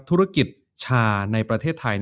ธุรกิจชาในประเทศไทย